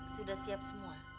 sudah siap semua